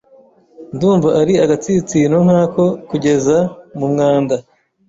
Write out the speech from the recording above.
Ndumva ari agatsinsino nkako kugeza mumwanda